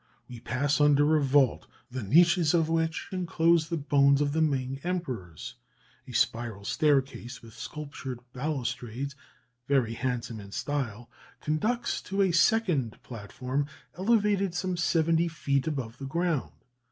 We pass under a vault, the niches of which enclose the bones of the Ming emperors; a spiral staircase, with sculptured balustrades, very handsome in style, conducts to a second platform, elevated some seventy feet above the ground.